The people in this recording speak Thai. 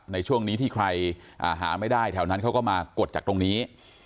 ในช่วงนี้ที่ใครหาไม่ได้แถวนั้นเขาก็มากดจากตรงนี้